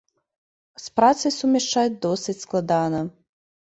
З працай сумяшчаць досыць складана.